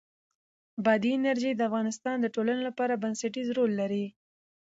بادي انرژي د افغانستان د ټولنې لپاره بنسټيز رول لري.